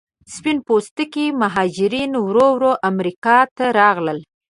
سپین پوستکي مهاجرین ورو ورو امریکا ته راغلل.